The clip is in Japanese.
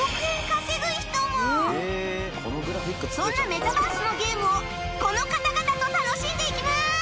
そんなメタバースのゲームをこの方々と楽しんでいきます！